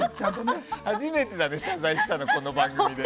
初めてだね、謝罪したのこの番組で。